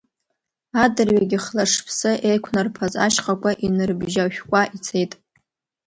Адырҩегьх, Лашԥсы еиқәнарԥаз ашьхақәа инырбжьашәкәа ицеит…